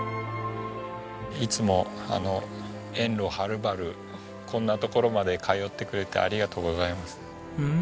いつも遠路はるばるこんな所まで通ってくれてありがとうございます。